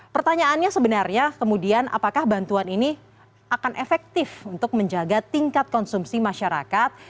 pertanyaannya sebenarnya kemudian apakah bantuan ini akan efektif untuk menjaga tingkat konsumsi masyarakat